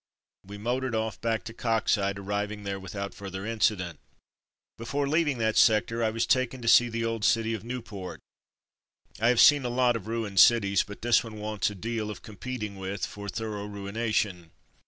We motored off back to Coxyde, arriving there without further incident. Before leaving that sector I was taken to see the old city of Nieuport. I have seen Back to Coxyde 183 a lot of ruined cities, but this one wants a deal of competing with for thorough ruina tion.